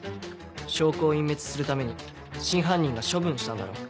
証拠を隠滅するために真犯人が処分したんだろう。